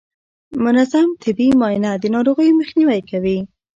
منظم طبي معاینه د ناروغیو مخنیوی کوي.